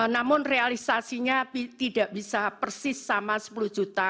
namun realisasinya tidak bisa persis sama sepuluh juta